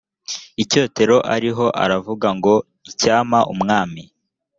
icyotero ariho aravuga ngo icyampa umwami